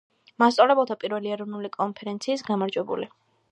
მასწავლებელთა პირველი ეროვნული კონფერენციის გამარჯვებული